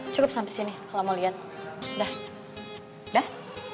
cukup sampe sini kalo mau liat udah udah